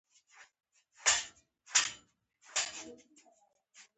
ورزش د بدن طبیعي تودوخه تنظیموي.